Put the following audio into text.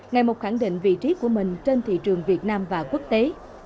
ngày một khẳng định vị trí của mình trên thị trường việt nam và quốc tế